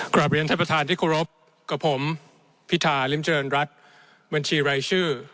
เรียนท่านประธานที่เคารพกับผมพิธาริมเจริญรัฐบัญชีรายชื่อ